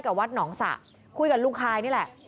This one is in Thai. วัดหนองสะคุยกับลุงคายนี่แหละ